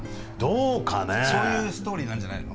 そういうストーリーなんじゃないの？